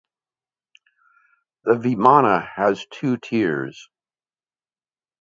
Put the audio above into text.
The vimana has two tiers.